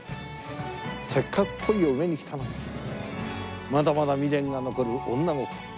せっかく恋を埋めに来たのにまだまだ未練が残る女心。